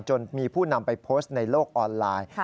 จนมีผู้นำไปโพสต์ในโลกออนไลน์